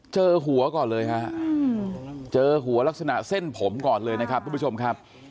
เจอหัวก่อนเลยฮะเจอหัวลักษณะเส้นผมก่อนเลยนะครับทุกผู้ชมครับ